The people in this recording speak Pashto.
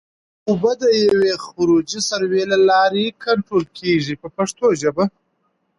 اوبه د یوې خروجي سوري له لارې کنټرول کېږي په پښتو ژبه.